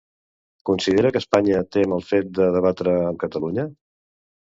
Considera que Espanya tem el fet de debatre amb Catalunya?